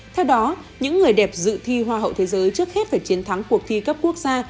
theo đó những người đẹp dự thi hoa hậu thế giới trước hết phải chiến thắng cuộc thi cấp quốc gia